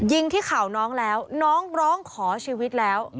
ยิงที่เข่าน้องแล้วน้องร้องขอชีวิตแล้ว